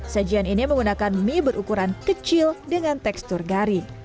sajian ini menggunakan mie berukuran kecil dengan tekstur garing